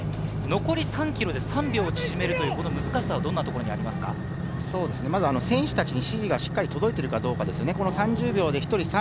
残り３ｋｍで３秒を縮めなければ選手たちに指示がしっかり届いてるかどうかですね。